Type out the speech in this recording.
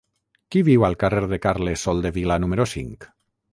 Qui viu al carrer de Carles Soldevila número cinc?